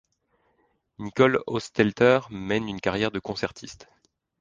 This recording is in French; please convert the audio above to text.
Nicole Hostettler mène une carrière de concertiste.